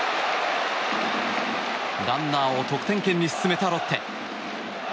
ランナーを得点圏に進めたロッテ。